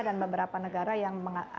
dan beberapa negara yang